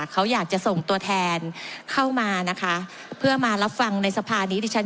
เขาอยากจะส่งตัวแทนเข้ามานะคะเพื่อมารับฟังในสภานี้ดิฉัน